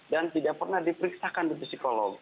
dan tidak pernah diperiksakan oleh psikolog